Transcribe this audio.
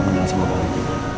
aku yang langsung mau beruntung